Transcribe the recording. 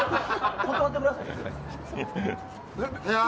断ってくださいね。